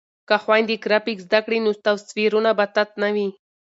که خویندې ګرافیک زده کړي نو تصویرونه به تت نه وي.